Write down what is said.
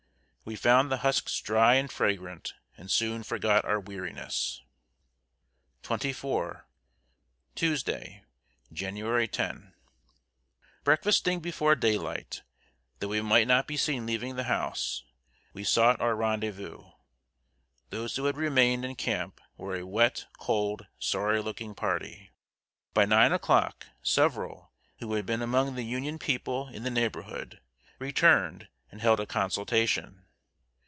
We found the husks dry and fragrant, and soon forgot our weariness. XXIV. Tuesday, January 10. Breakfasting before daylight, that we might not be seen leaving the house, we sought our rendezvous. Those who had remained in camp were a wet, cold, sorry looking party. By nine o'clock, several, who had been among the Union people in the neighborhood, returned, and held a consultation.